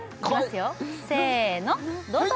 よせのどうぞ！